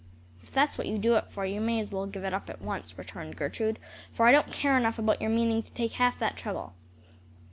"If that's what you do it for, you may as well give it up at once," returned Gertrude, "for I don't care enough about your meaning to take half that trouble."